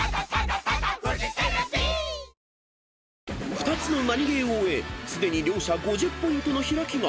［２つのナニゲーを終えすでに両者５０ポイントの開きが］